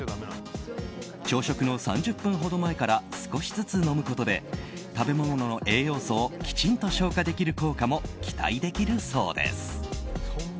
朝食の３０分ほど前から少しずつ飲むことで食べ物の栄養素をきちんと消化できる効果も期待できるそうです。